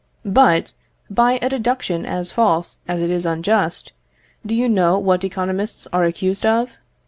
But, by a deduction as false as it is unjust, do you know what economists are accused of?